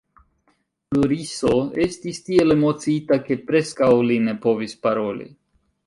Floriso estis tiel emociita, ke preskaŭ li ne povis paroli.